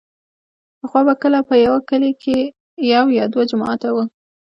پخوا به که په يوه کلي کښې يو يا دوه جوماته وو.